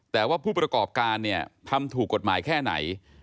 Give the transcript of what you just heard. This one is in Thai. แต่ว่าผู้ประกอบการเนี่ยทำถูกกฎหมายแค่ไหน